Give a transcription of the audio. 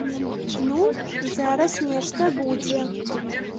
Ну, зараз нешта будзе!